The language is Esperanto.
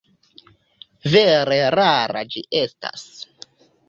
Vere rara ĝi estas.